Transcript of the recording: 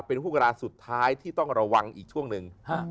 เป็นห่วงเวลาสุดท้ายที่ต้องระวังอีกช่วงหนึ่ง